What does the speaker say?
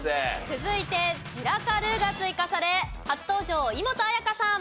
続いて「ちらかる」が追加され初登場井本彩花さん。